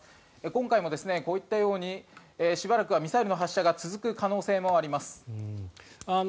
今回も、こういったようにしばらくはミサイルの発射が続く可能性もあります。